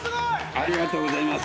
ありがとうございます。